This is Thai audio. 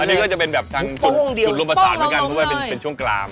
อันนี้ก็จะเป็นแบบทางจุดรุมประสาทเหมือนกันเพราะว่าเป็นช่วงกลาง